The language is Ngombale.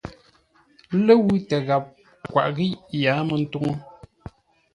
Ləwʉ̂ tə́ ghap kwaʼ ghíʼ ə́ yǎa mə́ ntúŋu.